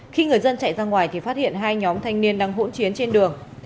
khi người dân chạy ra ngoài thì phát hiện hai nhóm thanh niên đang hỗn chiến trên đường